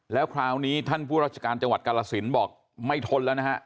แล้วคราวนี้ท่านผู้ราชการจังหวัดกาลสินบอกไม่ทนแล้วนะฮะ